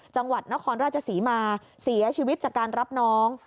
จังหวัดนครราชศรีมาเสียชีวิตจากการรับน้อง